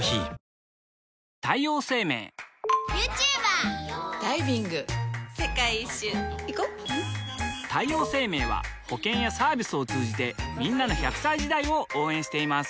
女性 ２） 世界一周いこ太陽生命は保険やサービスを通じてんなの１００歳時代を応援しています